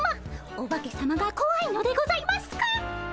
オバケさまがこわいのでございますか？